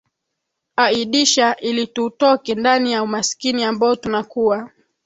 aidisha ilitutoke ndani ya umaskini ambao tunakua